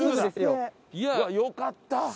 いやあよかった。